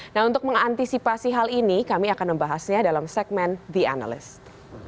nah untuk mengantisipasi hal ini kami akan membahasnya dalam segmen the analyst